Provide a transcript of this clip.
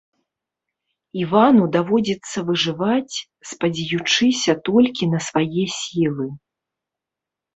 Івану даводзіцца выжываць, спадзеючыся толькі на свае сілы.